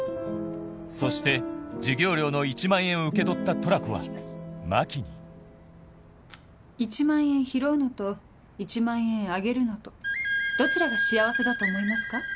そして授業料の１万円を受け取ったトラコは真希に１万円拾うのと１万円あげるのとどちらが幸せだと思いますか？